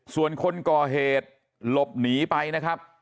ส่วนคนก่อเหตุหลบหนีไปนะครับ